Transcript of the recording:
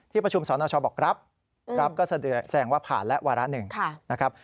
ที่ประชุมสนชอบอกรับกรับก็แสดงว่าผ่านและวาระ๑นะครับ